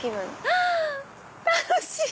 あっ楽しい！